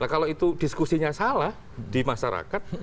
nah kalau itu diskusinya salah di masyarakat